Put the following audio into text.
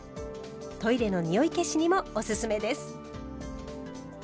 トイレの臭い消しにもおすすめです。